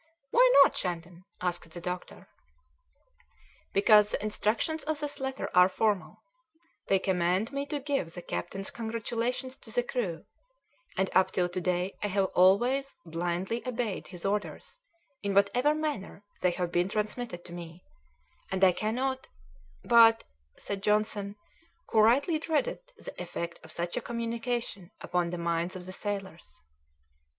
"Why not, Shandon?" asked the doctor. "Because the instructions of this letter are formal: they command me to give the captain's congratulations to the crew, and up till to day I have always blindly obeyed his orders in whatever manner they have been transmitted to me, and I cannot " "But " said Johnson, who rightly dreaded the effect of such a communication upon the minds of the sailors.